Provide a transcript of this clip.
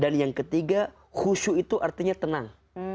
dan yang ketiga khusyuk itu artinya tenang